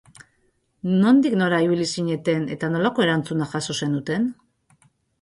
Nondik nora ibili zineten eta nolako erantzuna jaso zenuten?